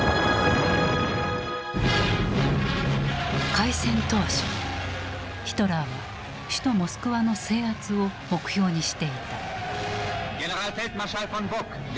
開戦当初ヒトラーは首都モスクワの制圧を目標にしていた。